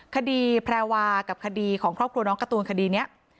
แพรวากับคดีของครอบครัวน้องการ์ตูนคดีนี้